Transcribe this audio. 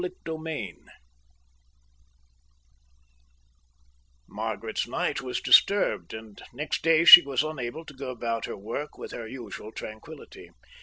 Chapter IX Margaret's night was disturbed, and next day she was unable to go about her work with her usual tranquillity.